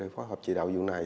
phối hợp chỉ đạo vụ này